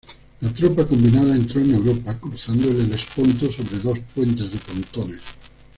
La tropa combinada entró en Europa, cruzando el Helesponto sobre dos puentes de pontones.